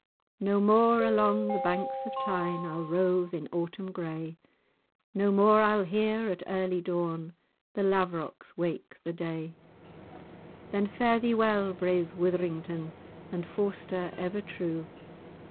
[#] makes. [#] weep. No more along the banks of Tyne, I'll rove in autumn grey; No more I'll hear, at early dawn, The lav'rocks[#] wake the day: Then fare thee well, brave Witherington, And Forster ever true.